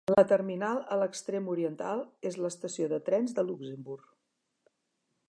La terminal a l'extrem oriental és l'estació de trens de Luxemburg.